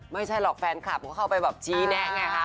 ไม่ใช่หรอกแฟนคลับก็เข้าไปแบบชี้แนะไงคะ